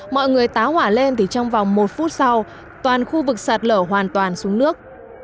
mọi người táo hỏa lên thì trong vòng một phút sau toàn khu vực sạt lở hoàn toàn xuống nước